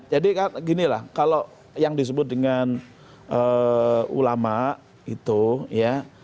jadi ginilah kalau yang disebut dengan ulama itu ya